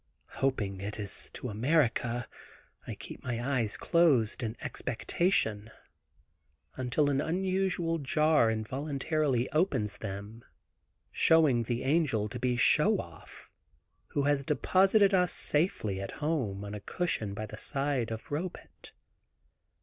Hoping it is to America, I keep my eyes closed in expectation, until an unusual jar involuntarily opens them, showing the angel to be Show Off, who has deposited us safely at home on a cushion by the side of Robet.